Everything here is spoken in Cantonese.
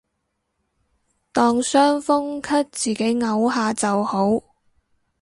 當傷風咳自己漚下就好